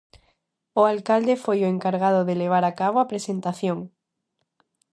O alcalde foi o encargado de levar a cabo a presentación.